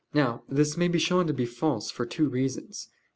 Now this may be shown to be false for two reasons.